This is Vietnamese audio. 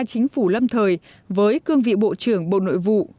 chính phủ lâm thời với cương vị bộ trưởng bộ nội vụ